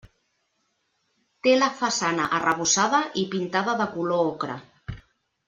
Té la façana arrebossada i pintada de color ocre.